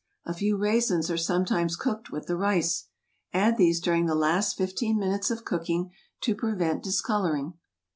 A few raisins are sometimes cooked with the rice. Add these during the last fifteen minutes of cooking to prevent discoloring.